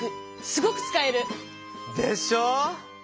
すごくつかえる！でしょ？